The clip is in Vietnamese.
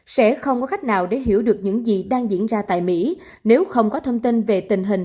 sẽ không có cách nào để hiểu được những gì đang diễn ra tại mỹ nếu không có thông tin về tình hình tình hình